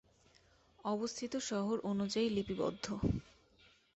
অবস্থিত শহর অনুযায়ী লিপিবদ্ধ